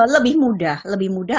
lebih mudah lebih mudah